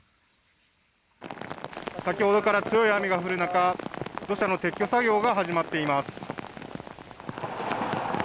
先ほどから強い雨が降る中、土砂の撤去作業が始まっています。